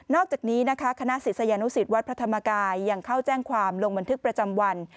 อกจากนี้นะคะคณะศิษยานุสิตวัดพระธรรมกายยังเข้าแจ้งความลงบันทึกประจำวัน